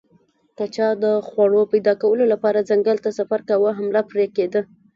که چا د خوړو پیدا کولو لپاره ځنګل ته سفر کاوه حمله پرې کېده